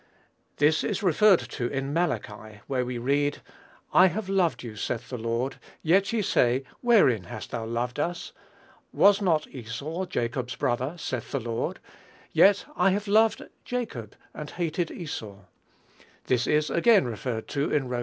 This is referred to in Malachi, where we read, "I have loved you, saith the Lord; yet ye say, wherein hast thou loved us? Was not Esau Jacob's brother? saith the Lord: yet I have loved Jacob and hated Esau." This is again referred to in Rom.